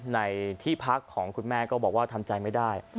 ในที่พักของคุณแม่ก็บอกว่าทำใจไม่ได้